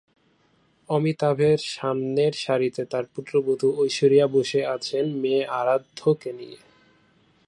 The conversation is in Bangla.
অমিতাভের সামনের সারিতে তাঁর পুত্রবধূ ঐশ্বরিয়া বসে আছেন মেয়ে আরাধ্যকে নিয়ে।